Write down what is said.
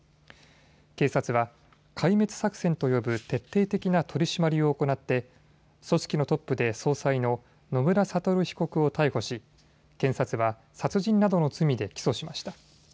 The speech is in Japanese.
警察は壊滅作戦と呼ぶ徹底的な取締りを行って組織のトップで総裁の野村悟被告を逮捕し検察は殺人などの罪で起訴しました。